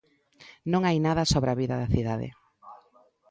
Non hai nada sobre a vida da cidade.